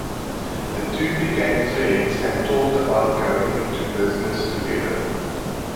The two became friends and talked about going into business together.